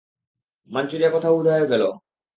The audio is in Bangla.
মাঞ্চুরিয়া কোথায় উধাও হয়ে গেলো?